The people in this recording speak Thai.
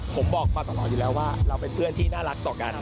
ผมบอกมาตลอดอยู่แล้วว่าเราเป็นเพื่อนที่น่ารักต่อกัน